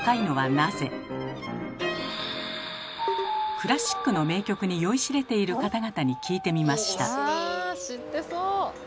クラシックの名曲に酔いしれている方々に聞いてみました。